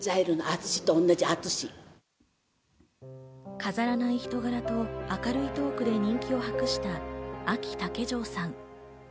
飾らない人柄と明るいトークで人気を博した、あき竹城さん。